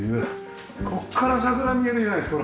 ここから桜見えるじゃないですか。